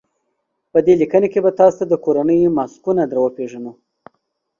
په دې لیکنه کې به تاسو ته کورني ماسکونه در وپېژنو.